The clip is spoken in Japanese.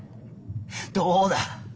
どうだ！